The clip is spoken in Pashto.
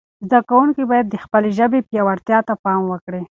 زده کوونکي باید د خپلې ژبې پياوړتیا ته پام وکړي.